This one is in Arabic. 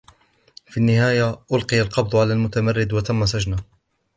في النهاية أُلقي القبض على المتمرد و تم سجنه.